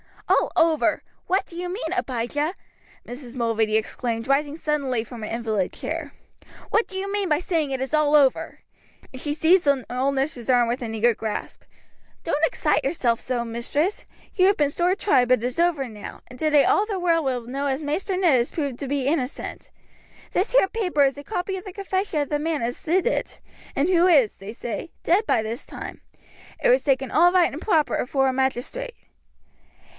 "All over! what do you mean, Abijah?" Mrs. Mulready exclaimed, rising suddenly from her invalid chair. "What do you mean by saying that it is all over?" and she seized the old nurse's arm with an eager grasp. "Don't excite yourself so, mistress. You have been sore tried, but it is over now, and today all the world will know as Maister Ned is proved to be innocent. This here paper is a copy of the confession of the man as did it, and who is, they say, dead by this time. It was taken all right and proper afore a magistrate."